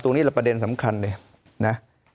ตรงนี้ประเด็นสำคัญเลย